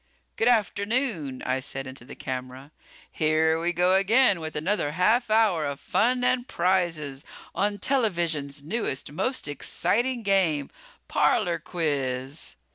"Good afternoon," I said into the camera, "here we go again with another half hour of fun and prizes on television's newest, most exciting, game, 'Parlor Quiz.'